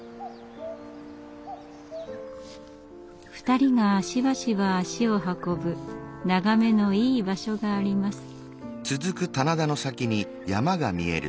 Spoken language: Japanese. ２人がしばしば足を運ぶ眺めのいい場所があります。